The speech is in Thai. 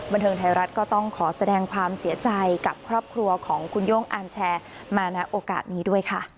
บันเทิงไทยรัฐก็ต้องขอแสดงความเสียใจกับครอบครัวของคุณโย่งอาร์มแชร์มาณโอกาสนี้ด้วยค่ะ